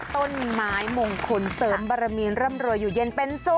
ต้นไม้มงคลเสริมบารมีนร่ำรวยอยู่เย็นเป็นสุข